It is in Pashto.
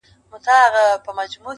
ما یې لیدی پر یوه لوړه څانګه؛